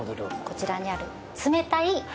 こちらにある。